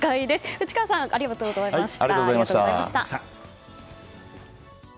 内川さんありがとうございました。